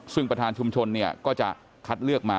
ซึ่งประธานชุมชนเนี่ยก็จะคัดเลือกมา